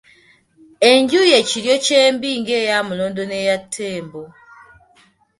Enju ye Kiryokyembi ng'eya Mulondo n'eya Ttembo.